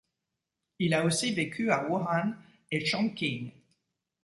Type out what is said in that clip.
Il a aussi vécu à Wuhan et Chongqing.